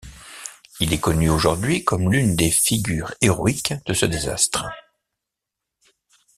Il est connu aujourd'hui comme l'une des figures héroïques de ce désastre.